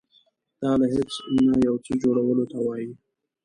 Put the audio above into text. دا له هیڅ نه یو څه جوړولو ته وایي.